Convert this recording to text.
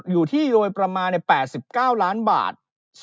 อยู่ที่โดยประมาณ๘๙ล้านบาท